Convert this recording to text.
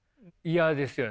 嫌ですよね。